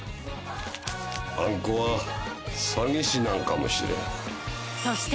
あん子は詐欺師なんかもしれん。